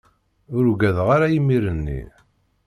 Ur ugadeɣ ara imir-nni.